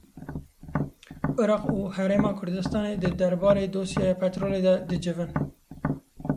Iraq û Herêma Kurdistanê di derbarê dosyeya petrolê de dicivin.